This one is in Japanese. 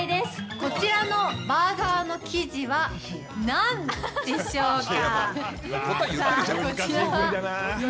こちらのバーガーの生地はなんでしょうか？